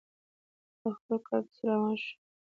او خپل کار پسې روان شو.